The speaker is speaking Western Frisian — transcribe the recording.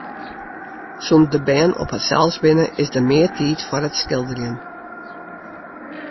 Sûnt de bern op harsels binne, is der mear tiid foar it skilderjen.